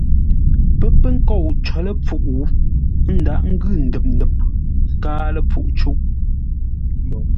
Pə́ pə́ kôu có ləpfuʼ, ə́ ndághʼ ngʉ ndəp-ndəp káa ləpfuʼ cûʼ.